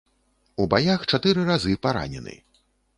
У баях чатыры разы паранены.